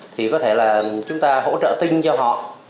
thì có thể là chúng ta hỗ trợ tinh cho họ